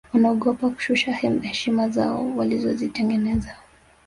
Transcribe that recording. wanaogopa kushusha heshima zao walizozitengeneza